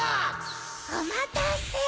おまたせ！